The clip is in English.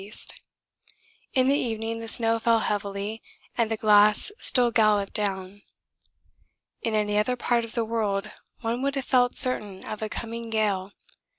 E. In the evening the snow fell heavily and the glass still galloped down. In any other part of the world one would have felt certain of a coming gale.